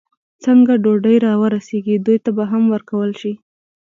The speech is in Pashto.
څنګه ډوډۍ را ورسېږي، دوی ته به هم ورکول شي.